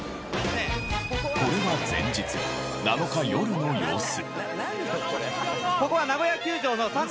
これは前日７日夜の様子。